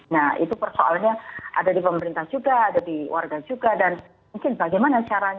nah itu persoalannya ada di pemerintah juga ada di warga juga dan mungkin bagaimana caranya